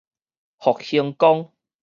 復興崗